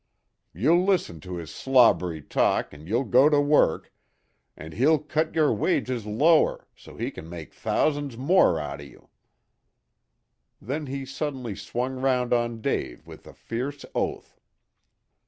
You'll listen to his slobbery talk an' you'll go to work and he'll cut your wages lower, so he can make thousan's more out o' you." Then he suddenly swung round on Dave with a fierce oath.